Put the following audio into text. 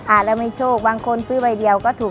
อาจจะไม่โชคบางคนซื้อใบเดียวก็ถูก